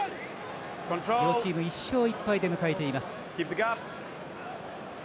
両チーム１勝１敗で迎えています。